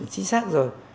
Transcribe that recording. chính xác rồi